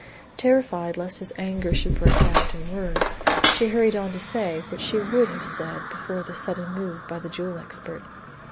Terrified lest his anger should break out in words, she hurried on to say what she would have said before the sudden move by the jewel expert.